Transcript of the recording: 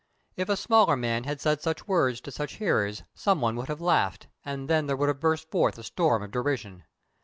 If a smaller man had said such words to such hearers some one would have laughed, and then would have burst forth a storm of derision.